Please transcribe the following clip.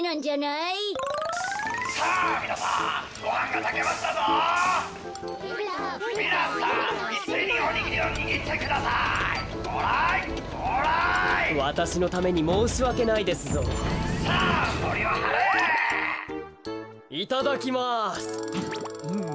いただきます。